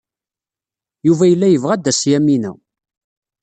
Yuba yella yebɣa ad d-tas Yamina.